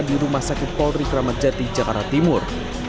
di rumah sakit polri kramatjati jakarta timur